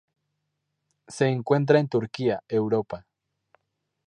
Se encuentra en Turquía, Europa.